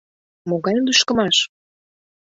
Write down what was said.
— Могай лӱшкымаш?